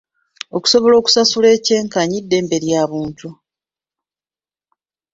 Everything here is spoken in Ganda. Okusasula ekyenkanyi ddembe lya buntu?